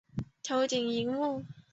头顶的萤幕